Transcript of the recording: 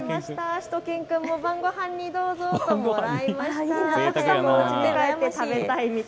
しゅと犬くんも晩ごはんにどうぞともらいました。